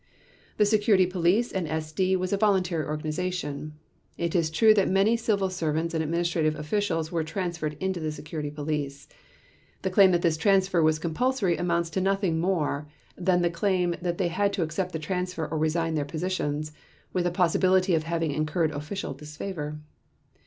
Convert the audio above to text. The Security Police and SD was a voluntary organization. It is true that many civil servants and administrative officials were transferred into the Security Police. The claim that this transfer was compulsory amounts to nothing more than the claim that they had to accept the transfer or resign their positions, with a possibility of having incurred official disfavor.